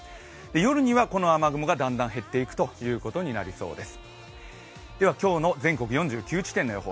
夜にはこの雨雲がだんだん減っていくということになりそうです。